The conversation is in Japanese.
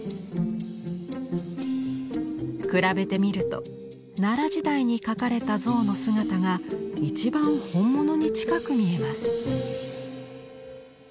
比べてみると奈良時代に描かれた象の姿が一番本物に近く見えます。